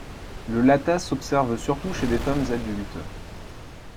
Le latah s'observe surtout chez des femmes adultes.